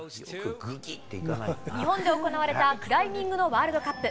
日本で行われたクライミングのワールドカップ。